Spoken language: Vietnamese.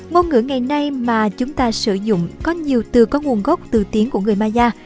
ngôn ngữ ngày nay mà chúng ta sử dụng có nhiều từ có nguồn gốc từ tiếng của người maya